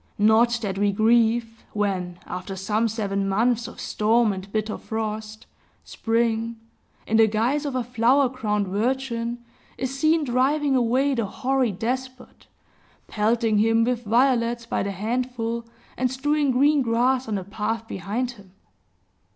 Not that we grieve, when, after some seven months of storm and bitter frost, Spring, in the guise of a flower crowned virgin, is seen driving away the hoary despot, pelting him with violets by the handful, and strewing green grass on the path behind him.